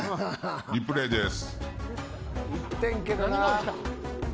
リプレーです。